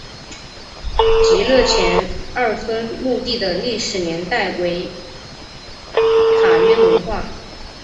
极乐前二村墓地的历史年代为卡约文化。